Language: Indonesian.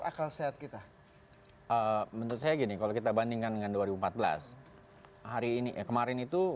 akal sehat kita menurut saya gini kalau kita bandingkan dengan dua ribu empat belas hari ini kemarin itu